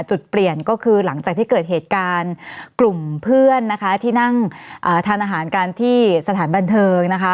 จุดเปลี่ยนก็คือหลังจากที่เกิดเหตุการณ์กลุ่มเพื่อนนะคะที่นั่งทานอาหารกันที่สถานบันเทิงนะคะ